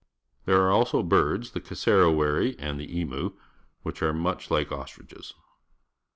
There are also birds — the cj^ssoiviiry and the emu — which are much like ostriches.